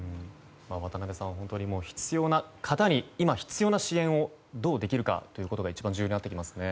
渡辺さん、本当に今、必要な方に必要な支援をどうできるかということが一番重要になってきますね。